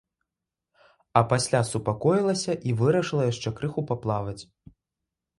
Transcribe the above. А пасля супакоілася і вырашыла яшчэ крыху паплаваць.